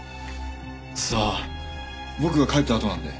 さあ僕が帰ったあとなんで。